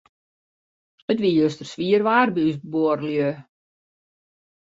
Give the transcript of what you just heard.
It wie juster swier waar by ús buorlju.